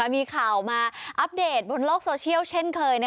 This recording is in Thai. มีข่าวมาอัปเดตบนโลกโซเชียลเช่นเคย